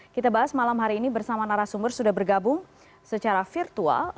kita bahas malam hari ini bersama narasumber sudah bergabung secara virtual